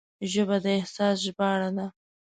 ژبه د احساس ژباړه ده